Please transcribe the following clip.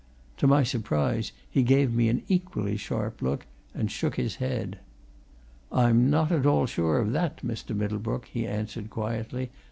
To my surprise he gave me an equally sharp look and shook his head. "I'm not at all sure of that, Mr. Middlebrook," he answered quietly.